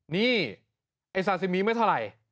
นี่ไอ้ซาซิมิไม่เท่าไหร่